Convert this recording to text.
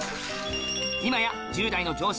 今や１０代の常識